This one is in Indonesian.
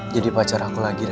jadi pacar aku lagi rara